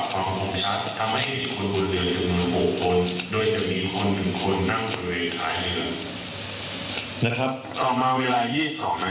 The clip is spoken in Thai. ปรับปรับความคงชัดทำให้คนบริเวณจนมี๖คน